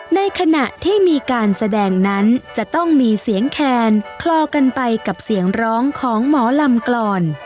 ในขณะที่มีการแสดงนั้นจะต้องมีเสียงแคนคลอกันไปกับเสียงร้องของหมอลำก่อน